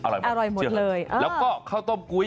อร่อยหมดเลยเชื่อไหมก่อน